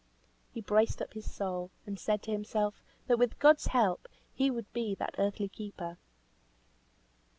He braced up his soul, and said to himself, that with God's help he would be that earthly keeper.